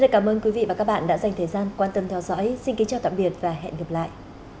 cảm ơn các bạn đã theo dõi và hẹn gặp lại